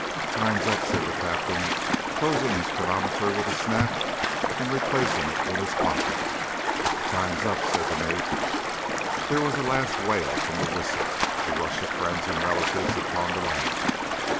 "Time's up!" said the captain, closing his chronometer with a snap, and replacing it in his pocket. "Time's up!" said the mate. There was a last wail from the whistle, a rush of friends and relatives upon the land.